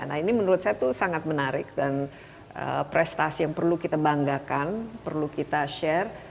nah ini menurut saya itu sangat menarik dan prestasi yang perlu kita banggakan perlu kita share